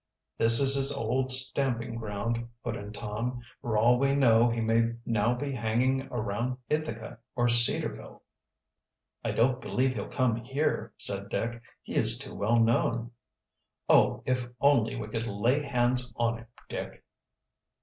"This is his old stamping ground," put in Tom. "For all we know he may now be hanging around Ithaca or Cedarville." "I don't believe he'll come here," said Dick. "He is too well known." "Oh, if only we could lay hands on him, Dick!"